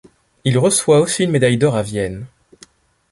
Il reçoit aussi une médaille d’or à Vienne.